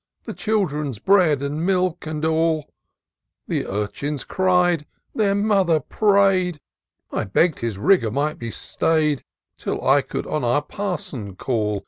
The children's bread and milk, and all ! The urchins cried, the mother pray'd ; I begg'd his rigour might be stay'd, Till I could on our Parson call.